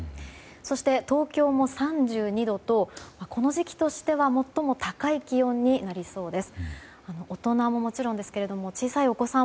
そして、東京も３２度とこの時期としては最も高い気温になりそうです。